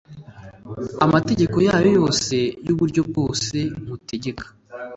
amategeko yayo yose y’uburyo bwose ngutegeka